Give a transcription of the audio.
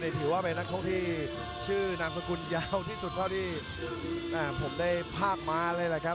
ถือว่าเป็นนักชกที่ชื่อนามสกุลยาวที่สุดเท่าที่ผมได้ภาพมาเลยแหละครับ